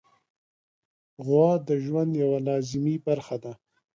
غوا د ژوند یوه لازمي برخه ده.